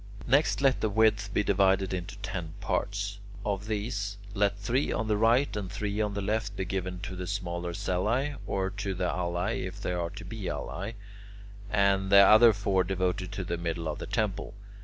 Next let the width be divided into ten parts. Of these, let three on the right and three on the left be given to the smaller cellae, or to the alae if there are to be alae, and the other four devoted to the middle of the temple.